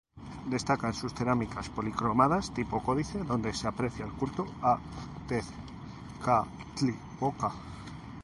Destacan sus cerámicas policromadas "tipo códice" donde se aprecia el culto a Tezcatlipoca.